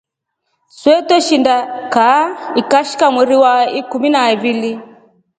Swee trweshinda kaa ikashika mweri wa ikumi ha ivili.